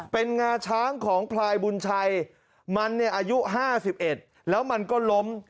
เป็นงาช้างของพลายบุญชัยมันเนี่ยอายุ๕๑แล้วมันก็ล้ม